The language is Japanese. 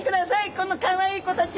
このかわいい子たち。